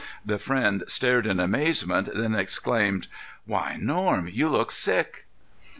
The friend stared in amazement, then exclaimed: "Why, Norm! You look sick."